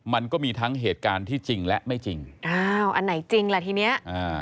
มันก็มีทั้งเหตุการณ์ที่จริงและไม่จริงอ้าวอันไหนจริงล่ะทีเนี้ยอ่า